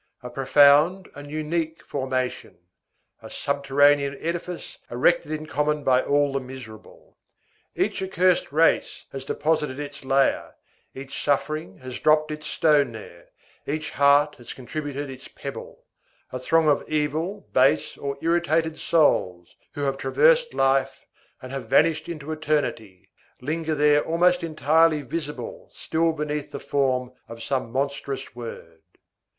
A profound and unique formation. A subterranean edifice erected in common by all the miserable. Each accursed race has deposited its layer, each suffering has dropped its stone there, each heart has contributed its pebble. A throng of evil, base, or irritated souls, who have traversed life and have vanished into eternity, linger there almost entirely visible still beneath the form of some monstrous word.